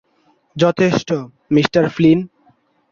যথেষ্ট, mister Flynn!